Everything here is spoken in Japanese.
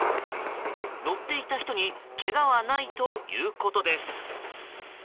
乗っていた人にけがはないということです。